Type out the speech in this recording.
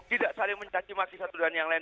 tidak saling mencacimasi satu dengan yang lain